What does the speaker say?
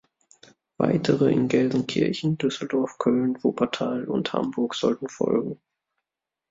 Weitere in Gelsenkirchen, Düsseldorf, Köln, Wuppertal und Hamburg sollten folgen.